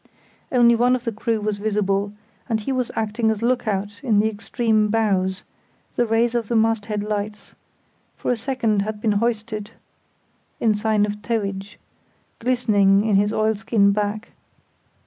Only one of the crew was visible, and he was acting as look out in the extreme bows, the rays of the masthead lights—for a second had been hoisted in sign of towage—glistening on his oilskin back.